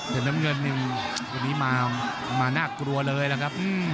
เตือนน้ำเงินวันนี้มามาน่ากลัวเลยล่ะครับ